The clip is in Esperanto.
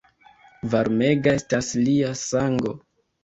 Varmega estas lia sango!